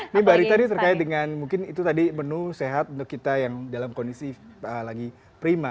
ini mbak rita ini terkait dengan mungkin itu tadi menu sehat untuk kita yang dalam kondisi lagi prima